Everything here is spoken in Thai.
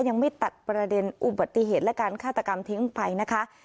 ยังไม่ตัดประเด็นอุบัติเหตุและการฆาตกรรมทิ้งไปนะคะ